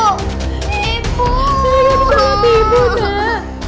selly tangan ibu nak